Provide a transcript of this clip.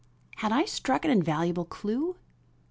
Had I struck an invaluable clue?